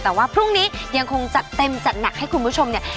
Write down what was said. แต่ว่าพรุ่งนี้ยังคงจัดเต็มจัดหนักให้คุณผู้ชมเนี่ย